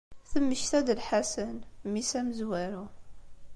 Temmekta-d Lḥasen, mmi-s amezwaru.